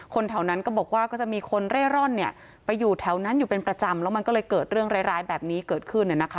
แถวนั้นก็บอกว่าก็จะมีคนเร่ร่อนไปอยู่แถวนั้นอยู่เป็นประจำแล้วมันก็เลยเกิดเรื่องร้ายแบบนี้เกิดขึ้น